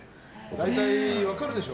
大体分かるでしょ。